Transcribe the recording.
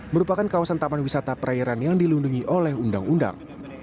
merupakan kawasan taman wisata perairan yang dilindungi oleh undang undang